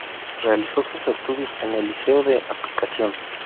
Realizó sus estudios en el Liceo de Aplicación.